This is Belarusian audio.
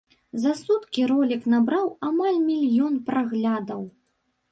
За суткі ролік набраў амаль мільён праглядаў.